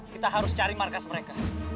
kita harus cari markas mereka